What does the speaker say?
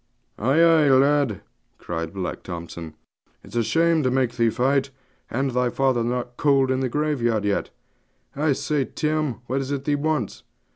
'Ay, ay, lad,' cried Black Thompson; 'it's a shame to make thee fight, and thy father not cold in the graveyard yet. I say, Tim, what is it thee wants?'